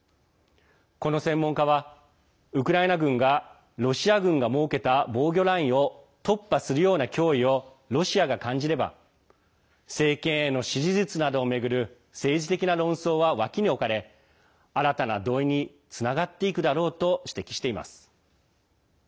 この専門家はウクライナ軍がロシア軍が設けた防御ラインを突破するような脅威をロシアが感じれば政権への支持率などを巡る政治的な論争は脇に置かれ新たな動員につながっていくだろうと指摘しています。